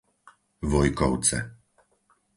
Vojkovce